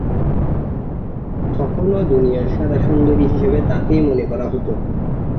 তখনও দুনিয়ার সেরা সুন্দরী হিসেবে তাকেই মনে করা হতো।